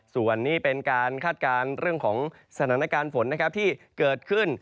ส่วนนี้เป็นการคาดการณ์เรื่องของสถานการณ์ฝนนะครับที่เกิดขึ้น